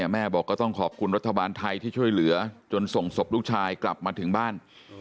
แม่บอกก็ต้องขอบคุณรัฐบาลไทยที่ช่วยเหลือจนส่งศพลูกชายกลับมาถึงบ้าน